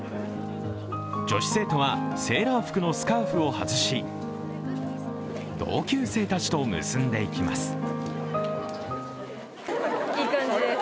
女子生徒はセーラー服のスカーフを外し、同級生たちと結んでいきます。